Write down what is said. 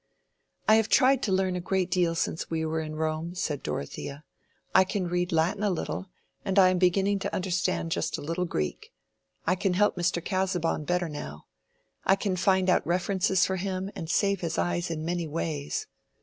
"I have tried to learn a great deal since we were in Rome," said Dorothea. "I can read Latin a little, and I am beginning to understand just a little Greek. I can help Mr. Casaubon better now. I can find out references for him and save his eyes in many ways.